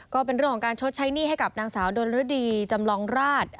ก็เป็นเรื่องของการชดใช้หนี้ให้กับนางสาวดนฤดีจำลองราช